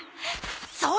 そう